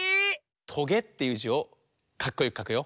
「とげ」っていう「じ」をかっこよくかくよ。